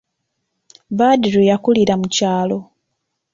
Badru yakulira mu kyalo.